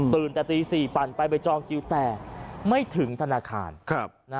แต่ตี๔ปั่นไปไปจองคิวแต่ไม่ถึงธนาคาร